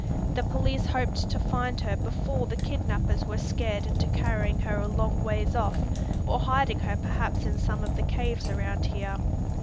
The police hoped to find her before the kidnapers were scared into carrying her a long ways off, or hiding her perhaps in some of the caves around here.